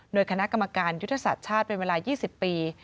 โดยคณะกรรมการยุทธศาสตร์ชาติเป็นเวลา๒๐ปี